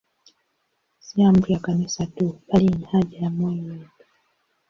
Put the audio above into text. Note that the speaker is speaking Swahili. Si amri ya Kanisa tu, bali ni haja ya moyo wetu.